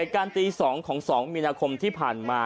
ของสองมีนาคมที่ผ่านมา